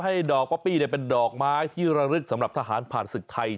ดอกป๊อปปี้เป็นดอกไม้ที่ระลึกสำหรับทหารผ่านศึกไทย